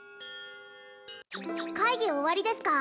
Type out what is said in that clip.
会議終わりですか？